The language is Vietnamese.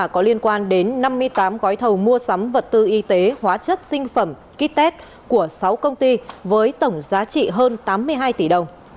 có liên quan đến năm mươi tám gói thầu mua sắm vật tư y tế hóa chất sinh phẩm ký test của sáu công ty với tổng giá trị hơn tám mươi hai tỷ đồng